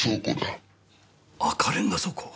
赤レンガ倉庫？